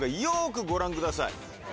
よくご覧ください。